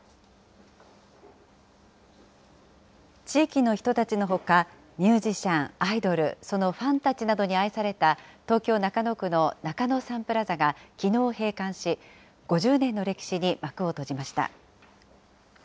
地域の人たちのほか、ミュージシャン、アイドル、そのファンたちになどに愛された、東京・中野区の中野サンプラザがきのう閉館し、５０年の歴史に幕を閉じました。